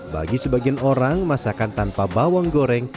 bagi sebagian orang masakan tanpa bawang goreng